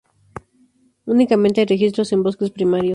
Únicamente hay registros en bosques primarios.